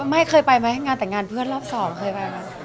ไม่เคยไปไหมงานแต่งงานเพื่อนรอบสองเคยไปไหม